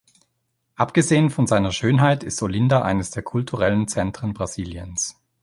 Abgesehen von seiner Schönheit ist Olinda eines der kulturellen Zentren Brasiliens.